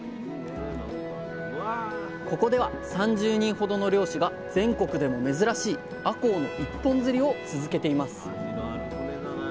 ここでは３０人ほどの漁師が全国でも珍しいあこうの一本釣りを続けています。